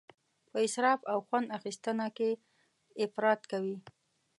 په اسراف او خوند اخیستنه کې افراط کوي.